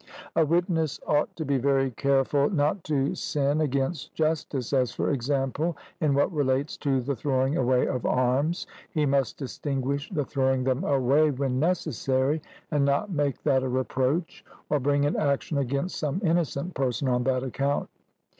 A witness ought to be very careful not to sin against justice, as for example in what relates to the throwing away of arms he must distinguish the throwing them away when necessary, and not make that a reproach, or bring an action against some innocent person on that account.